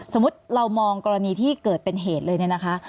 สมมุติเรามองกรณีที่เกิดเป็นเหตุเลยเนี่ยนะคะ